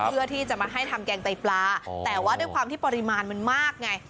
เพื่อที่จะมาให้ทำแกงไตปลาแต่ว่าด้วยความที่ปริมาณมันมากไง